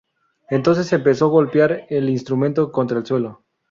Entonces empezó golpear el instrumento contra el suelo.